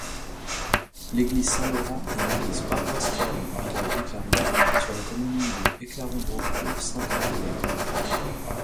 L'église Saint-Laurent est l'église paroissiale du village d'Éclaron, sur la commune de Éclaron-Braucourt-Sainte-Livière.